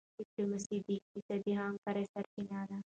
ډيپلوماسي د اقتصادي همکارۍ سرچینه ده.